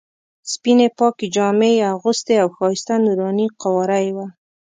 سپینې پاکې جامې یې اغوستې او ښایسته نوراني قواره یې وه.